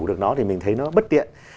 được nó thì mình thấy nó bất tiện